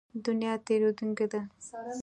دنیا تېرېدونکې ده.